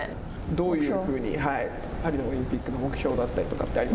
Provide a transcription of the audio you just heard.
どういうふうにパリのオリンピックの目標だったりとかってあり